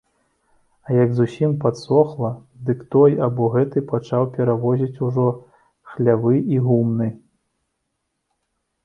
А як зусім падсохла, дык той або гэты пачаў перавозіць ужо хлявы і гумны.